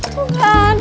kok gak ada